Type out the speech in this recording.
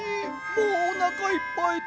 もうおなかいっぱいだ。